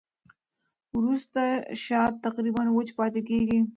وروسته شات تقریباً وچ پاتې کېږي.